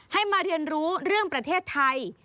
ให้มาเรียนรู้เรื่องประเทศไทย